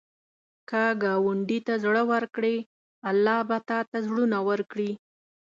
که ګاونډي ته زړه ورکړې، الله به تا ته زړونه ورکړي